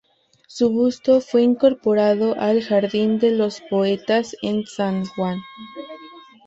Su busto fue incorporado al "Jardín de los Poetas", en San Juan.